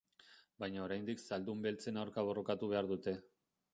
Baina oraindik zaldun beltzen aurka borrokatu behar dute.